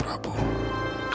aku masih ingat